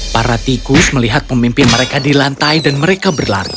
para tikus melihat pemimpin mereka di lantai dan mereka berlari